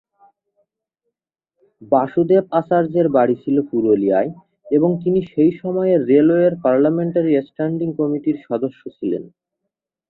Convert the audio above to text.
বাসুদেব আচার্যের বাড়ি ছিল পুরুলিয়ায় এবং তিনি সেই সময়ের রেলওয়ের পার্লামেন্টারি স্ট্যান্ডিং কমিটির সদস্য ছিলেন।